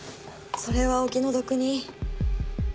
それはお気の毒に。